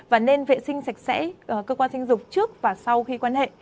và nên vệ sinh sạch sẽ cơ quan sinh dục trước và sau khi quan hệ